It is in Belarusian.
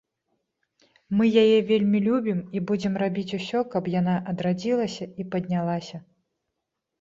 Мы яе вельмі любім і будзем рабіць усё, каб яна адрадзілася і паднялася.